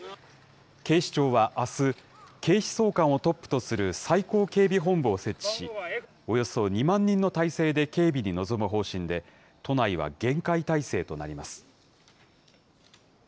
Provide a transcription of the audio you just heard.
警視庁はあす、警視総監をトップとする最高警備本部を設置し、およそ２万人の態勢で警備に臨む方針で、都内は厳戒態勢となります。